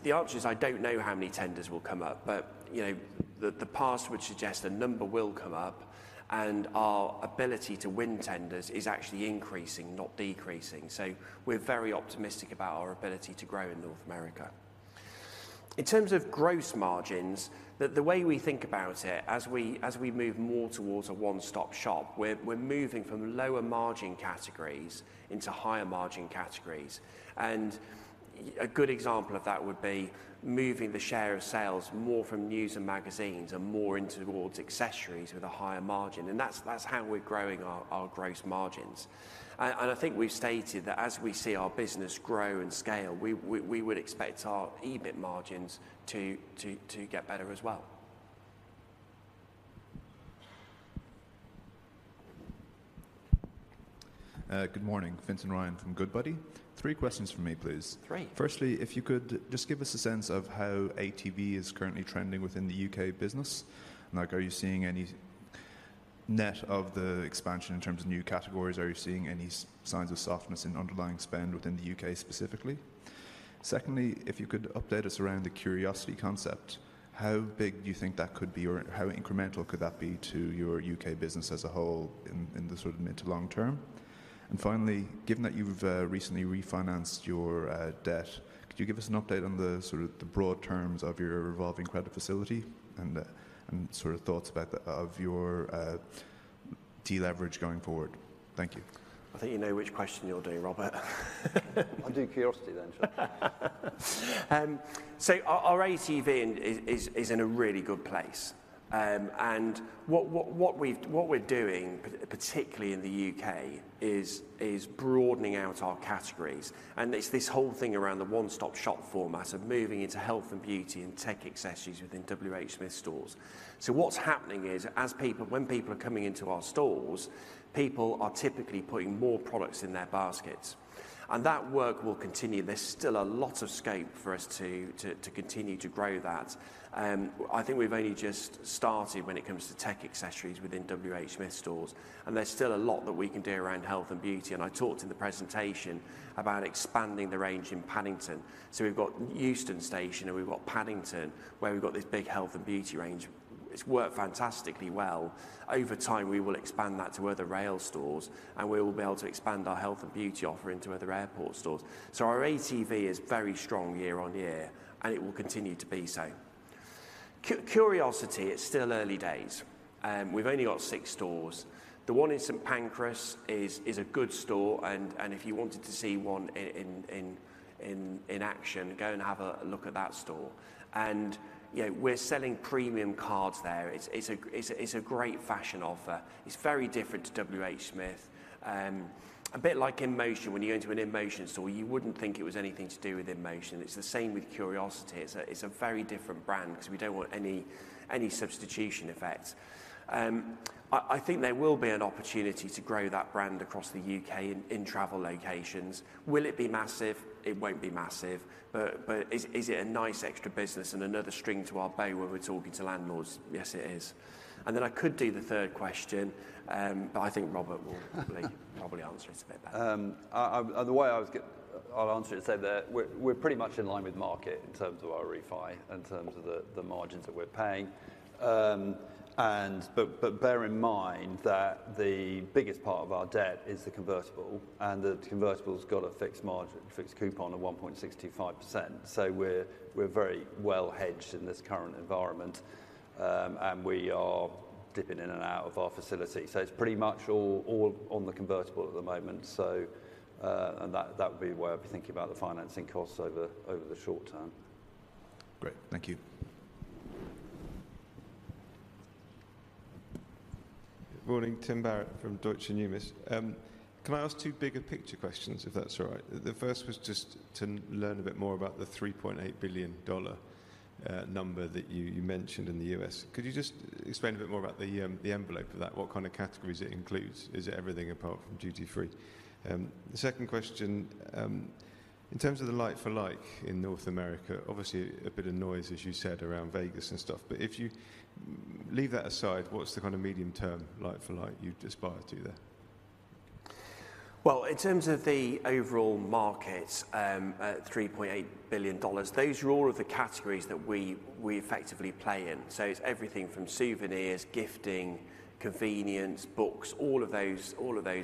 the answer is, I don't know how many tenders will come up, but, you know, the past would suggest a number will come up, and our ability to win tenders is actually increasing, not decreasing. So we're very optimistic about our ability to grow in North America. In terms of gross margins, the way we think about it, as we move more towards a one-stop shop, we're moving from lower margin categories into higher margin categories. And a good example of that would be moving the share of sales more from news and magazines and more in towards accessories with a higher margin, and that's how we're growing our gross margins. I think we've stated that as we see our business grow and scale, we would expect our EBIT margins to get better as well. Good morning, Fintan Ryan from Goodbody. Three questions from me, please. Great. Firstly, if you could just give us a sense of how ATV is currently trending within the UK business? Like, are you seeing any net of the expansion in terms of new categories? Are you seeing any signs of softness in underlying spend within the UK specifically? Secondly, if you could update us around the Curiosity concept? How big do you think that could be, or how incremental could that be to your UK business as a whole in the sort of mid- to long-term? And finally, given that you've recently refinanced your debt, could you give us an update on the sort of the broad terms of your revolving credit facility and sort of thoughts about the of your deleverage going forward? Thank you. I think you know which question you're doing, Robert. I'll do Curiosity then, sure. So our ATV is in a really good place. And what we're doing, particularly in the UK, is broadening out our categories, and it's this whole thing around the one-stop shop format of moving into health and beauty and tech accessories within WH Smith stores. So what's happening is, when people are coming into our stores, people are typically putting more products in their baskets, and that work will continue. There's still a lot of scope for us to continue to grow that. I think we've only just started when it comes to tech accessories within WH Smith stores, and there's still a lot that we can do around health and beauty, and I talked in the presentation about expanding the range in Paddington. So we've got Euston Station, and we've got Paddington, where we've got this big health and beauty range. It's worked fantastically well. Over time, we will expand that to other rail stores, and we will be able to expand our health and beauty offer into other airport stores. So our ATV is very strong year-on-year, and it will continue to be so. Curiosity, it's still early days. We've only got 6 stores. The one in St. Pancras is a good store, and if you wanted to see one in action, go and have a look at that store. And, you know, we're selling premium cards there. It's a great fashion offer. It's very different to WH Smith. A bit like InMotion. When you go into an InMotion store, you wouldn't think it was anything to do with InMotion. It's the same with Curiosity. It's a very different brand because we don't want any substitution effects. I think there will be an opportunity to grow that brand across the UK in travel locations. Will it be massive? It won't be massive, but is it a nice extra business and another string to our bow when we're talking to landlords? Yes, it is. And then I could do the third question, but I think Robert will probably answer it a bit better. I'll answer it and say that we're pretty much in line with market in terms of our refi, in terms of the margins that we're paying. But bear in mind that the biggest part of our debt is the convertible, and the convertible's got a fixed margin, fixed coupon of 1.625%. So we're very well hedged in this current environment, and we are dipping in and out of our facility. So it's pretty much all on the convertible at the moment. And that would be the way I'd be thinking about the financing costs over the short term. Great. Thank you. Good morning, Tim Barrett from Deutsche Numis. Can I ask two bigger picture questions, if that's all right? The first was just to learn a bit more about the $3.8 billion number that you mentioned in the U.S.. Could you just explain a bit more about the envelope of that? What kind of categories it includes? Is it everything apart from duty-free? The second question, in terms of the like for like in North America, obviously a bit of noise, as you said, around Vegas and stuff, but if you leave that aside, what's the kind of medium-term like for like you've aspired to there? Well, in terms of the overall market, at $3.8 billion, those are all of the categories that we effectively play in. So it's everything from souvenirs, gifting, convenience, books, all of those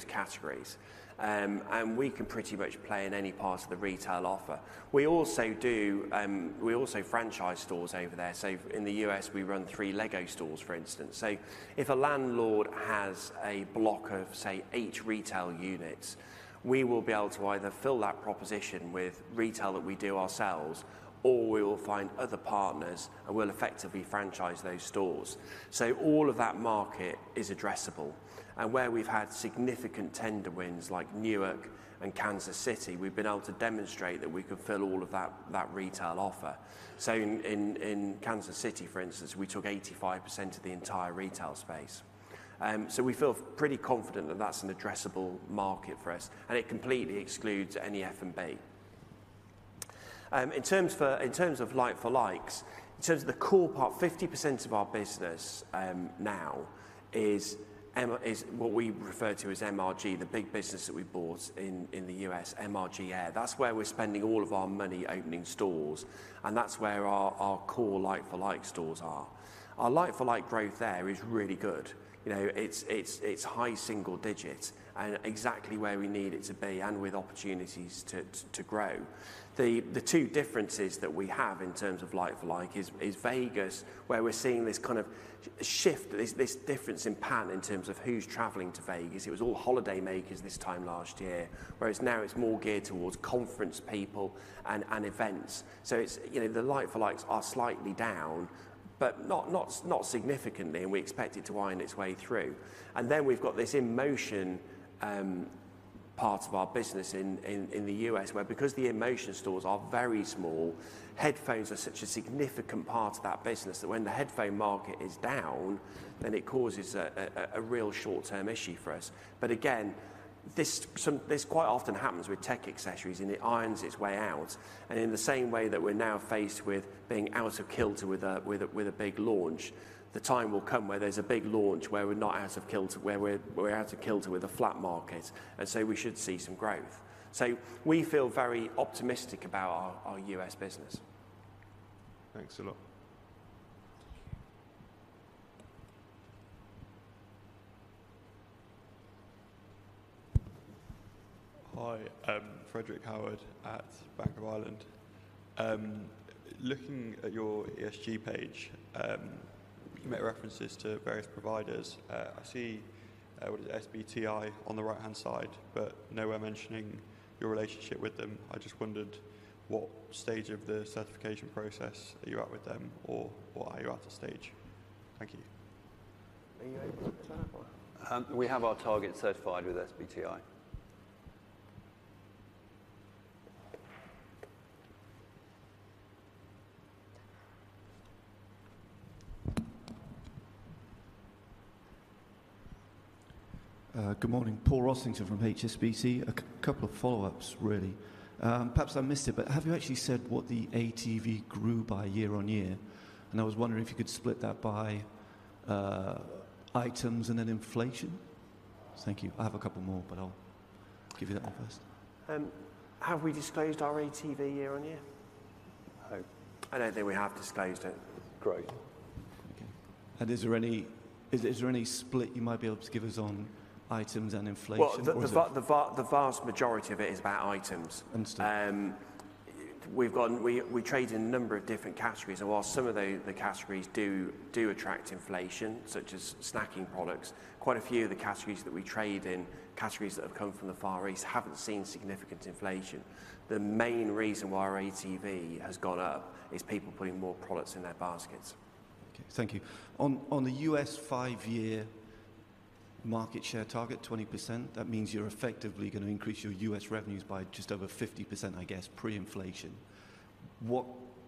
categories. And we can pretty much play in any part of the retail offer. We also franchise stores over there. So in the U.S., we run three LEGO stores, for instance. So if a landlord has a block of, say, eight retail units, we will be able to either fill that proposition with retail that we do ourselves, or we will find other partners and we'll effectively franchise those stores. So all of that market is addressable. And where we've had significant tender wins, like Newark and Kansas City, we've been able to demonstrate that we can fill all of that retail offer. So in Kansas City, for instance, we took 85% of the entire retail space. So we feel pretty confident that that's an addressable market for us, and it completely excludes any F&B. In terms of like-for-likes, in terms of the core part, 50% of our business now is what we refer to as MRG, the big business that we bought in the U.S., MRG Air. That's where we're spending all of our money opening stores, and that's where our core like-for-like stores are. Our like-for-like growth there is really good. You know, it's high single digits, and exactly where we need it to be, and with opportunities to grow. The two differences that we have in terms of like-for-like is Vegas, where we're seeing this kind of shift, this difference in pattern in terms of who's traveling to Vegas. It was all holidaymakers this time last year, whereas now it's more geared towards conference people and events. So it's, you know, the like-for-likes are slightly down, but not significantly, and we expect it to wind its way through. And then we've got this InMotion part of our business in the U.S., where because the InMotion stores are very small, headphones are such a significant part of that business that when the headphone market is down, then it causes a real short-term issue for us. But again, this quite often happens with tech accessories, and it irons its way out. In the same way that we're now faced with being out of kilter with a big launch, the time will come where there's a big launch where we're not out of kilter, where we're out of kilter with a flat market, and so we should see some growth. So we feel very optimistic about our U.S. business. Thanks a lot. Hi, Frederick Howard at Bank of Ireland. Looking at your ESG page, you made references to various providers. I see, SBTi on the right-hand side, but nowhere mentioning your relationship with them. I just wondered what stage of the certification process are you at with them, or what are you at a stage? Thank you. Are you able to turn it for us? We have our target certified with SBTi. Good morning. Paul Rossington from HSBC. A couple of follow-ups, really. Perhaps I missed it, but have you actually said what the ATV grew by year-on-year? And I was wondering if you could split that by, items and then inflation. Thank you. I have a couple more, but I'll give you that one first. Have we disclosed our ATV year-on-year? No, I don't think we have disclosed it. Great. Okay. And is there any split you might be able to give us on items and inflation? Well, the vast majority of it is about items. Understood. We've gotten... We trade in a number of different categories, and while some of the categories do attract inflation, such as snacking products, quite a few of the categories that we trade in, categories that have come from the Far East, haven't seen significant inflation. The main reason why our ATV has gone up is people putting more products in their baskets. Okay, thank you. On the U.S. five-year market share target, 20%, that means you're effectively going to increase your U.S. revenues by just over 50%, I guess, pre-inflation.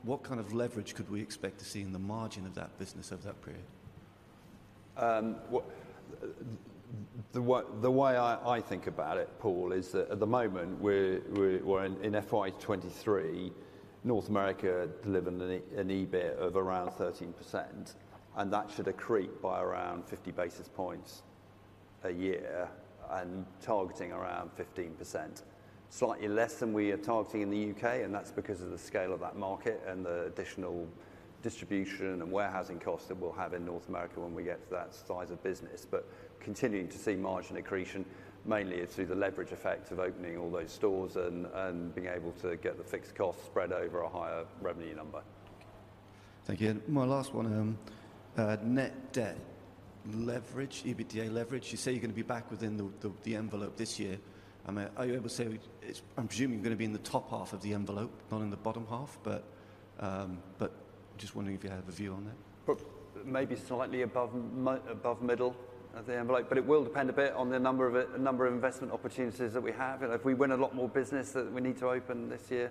What kind of leverage could we expect to see in the margin of that business over that period? The way I think about it, Paul, is that at the moment we're in FY 2023, North America delivered an EBIT of around 13%, and that should accrete by around 50 basis points a year and targeting around 15%. Slightly less than we are targeting in the UK, and that's because of the scale of that market and the additional distribution and warehousing costs that we'll have in North America when we get to that size of business. But continuing to see margin accretion, mainly through the leverage effect of opening all those stores and being able to get the fixed costs spread over a higher revenue number. Thank you. And my last one, net debt leverage, EBITDA leverage. You say you're going to be back within the envelope this year. I mean, are you able to say it's. I'm presuming you're going to be in the top half of the envelope, not in the bottom half, but just wondering if you have a view on that? But maybe slightly above middle of the envelope, but it will depend a bit on the number of it, the number of investment opportunities that we have. And if we win a lot more business that we need to open this year,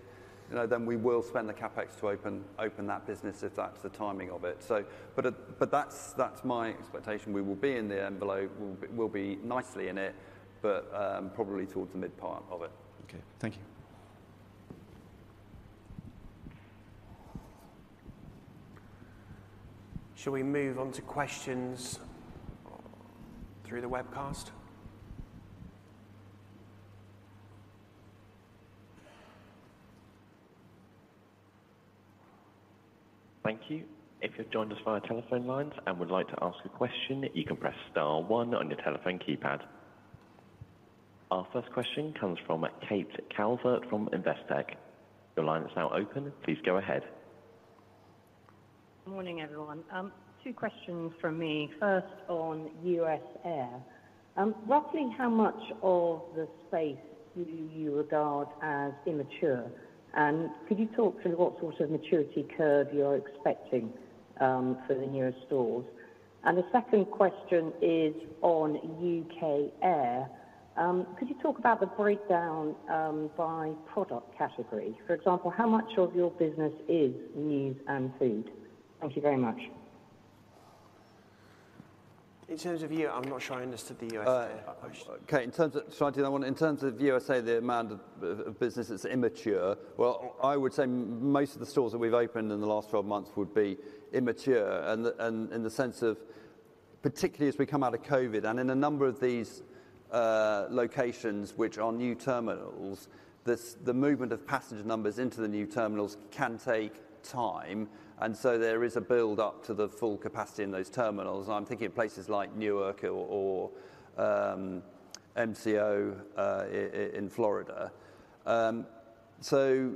you know, then we will spend the CapEx to open that business if that's the timing of it. So, but, but that's my expectation. We will be in the envelope. We'll be nicely in it, but probably towards the mid part of it. Okay. Thank you. Shall we move on to questions through the webcast? Thank you. If you've joined us via telephone lines and would like to ask a question, you can press star 1 on your telephone keypad. Our first question comes from Kate Calvert from Investec. Your line is now open. Please go ahead. Good morning, everyone. Two questions from me. First, on U.S. Air. Roughly how much of the space do you regard as immature? And could you talk through what sort of maturity curve you're expecting, for the newer stores? And the second question is on UK Air. Could you talk about the breakdown, by product category? For example, how much of your business is news and food? Thank you very much. In terms of you, I'm not sure I understood the U.S. question. Okay, in terms of, so I think I want in terms of U.S. Air, the amount of business that's immature, well, I would say most of the stores that we've opened in the last 12 months would be immature, and in the sense of particularly as we come out of COVID, and in a number of these locations which are new terminals, the movement of passenger numbers into the new terminals can take time, and so there is a build-up to the full capacity in those terminals. And I'm thinking of places like Newark or MCO in Florida. So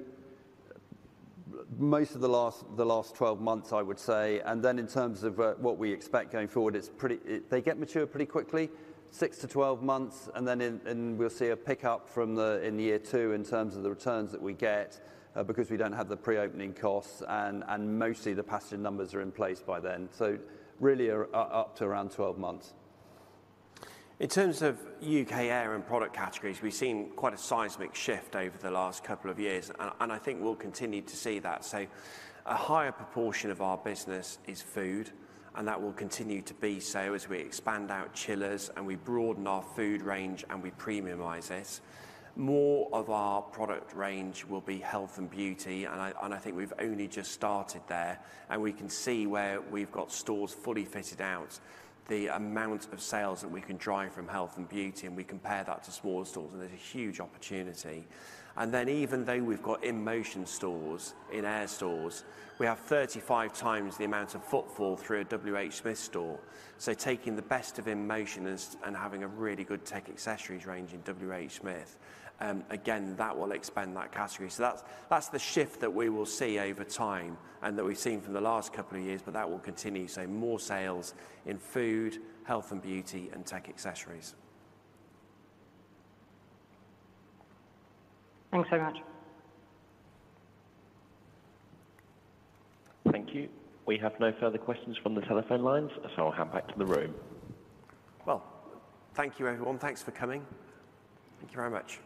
most of the last 12 months, I would say, and then in terms of what we expect going forward, it's pretty, they get mature pretty quickly, 6-12 months, and then we'll see a pickup in the year two in terms of the returns that we get, because we don't have the pre-opening costs, and mostly the passenger numbers are in place by then. So really, up to around 12 months. In terms of UK airport and product categories, we've seen quite a seismic shift over the last couple of years, and I think we'll continue to see that. So a higher proportion of our business is food, and that will continue to be so as we expand out chillers, and we broaden our food range, and we premiumize it. More of our product range will be health and beauty, and I think we've only just started there, and we can see where we've got stores fully fitted out, the amount of sales that we can drive from health and beauty, and we compare that to smaller stores, and there's a huge opportunity. Then even though we've got InMotion stores, in-air stores, we have 35 times the amount of footfall through a WH Smith store. So taking the best of InMotion and having a really good tech accessories range in WH Smith, again, that will expand that category. So that's the shift that we will see over time and that we've seen from the last couple of years, but that will continue, so more sales in food, health and beauty, and tech accessories. Thanks so much. Thank you. We have no further questions from the telephone lines, so I'll hand back to the room. Well, thank you, everyone. Thanks for coming. Thank you very much.